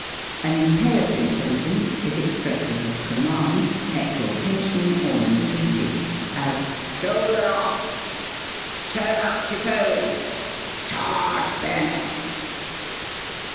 An imperative sentence is expressive of command, exhortation, or entreaty; as, " Shoulder arms !"" Turn out your toes !"" Charge bayonets